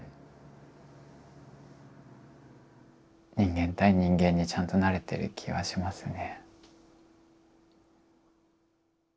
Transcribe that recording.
人間対人間にちゃんとなれてる気はしますね。